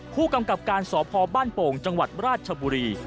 ผู้กำกับการสพบ้านโป่งจังหวัดราชบุรี